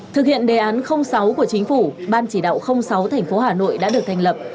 thực hiện đề án sáu của chính phủ ban chỉ đạo sáu tp hà nội đã được thành lập